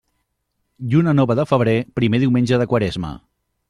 Lluna nova de febrer, primer diumenge de quaresma.